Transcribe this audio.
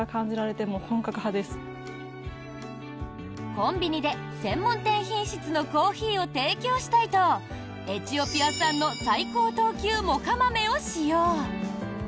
コンビニで専門店品質のコーヒーを提供したいとエチオピア産の最高等級モカ豆を使用。